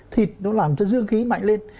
thịt nó làm cho dương khí mạnh lên